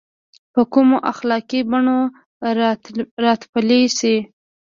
په کومو اخلاقي بڼو راتپلی شي.